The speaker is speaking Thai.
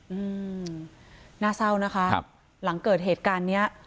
อืมน่าเศร้านะคะครับหลังเกิดเหตุการณ์เนี้ย